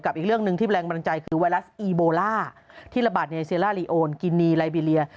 อีกเรื่องหนึ่งที่แรงบันดาลใจคือไวรัสอีโบล่าที่ระบาดเนเซล่าลีโอนกินนีไลบีเรีย